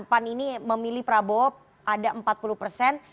pan ini memilih prabowo ada empat puluh persen